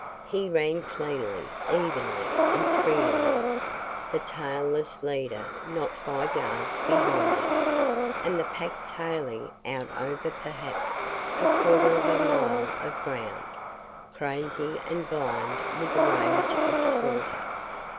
He ran cleanly, evenly, and springily; the tailless leader not five yards behind him; and the Pack tailing out over perhaps a quarter of a mile of ground, crazy and blind with the rage of slaughter.